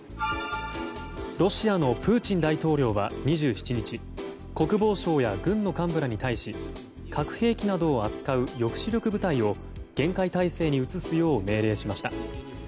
ロシアのプーチン大統領は２７日国防相や軍の幹部らに対し核兵器などを扱う抑止力部隊を厳戒態勢に移すよう命令しました。